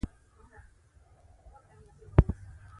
دا ښار اوس مهال د پاراګوای هېواد پلازمېنې په توګه یادېږي.